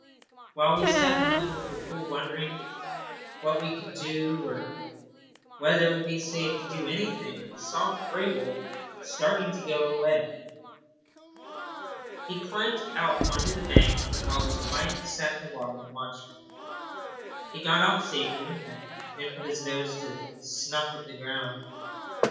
While we sat in the middle of the pool wondering what we could do or whether it would be safe to do anything, we saw Grey Wolf start to go away. He climbed out on the bank while his wife sat in the water and watched him. He got out safely, and then put his nose down to snuff at the ground.